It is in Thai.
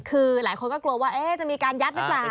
คือหลายคนก็กลัวว่าจะมีการยัดหรือเปล่า